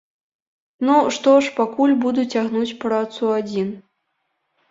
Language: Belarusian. Ну, што ж, пакуль буду цягнуць працу адзін!